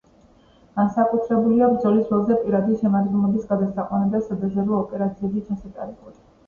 განკუთვნილია ბრძოლის ველზე პირადი შემადგენლობის გადასაყვანად და სადაზვერვო ოპერაციების ჩასატარებლად.